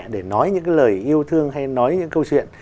để nói những lời yêu thương hay nói những câu chuyện